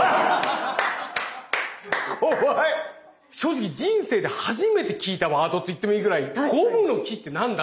正直人生で初めて聞いたワードと言ってもいいぐらい「ゴムの木って何だ？」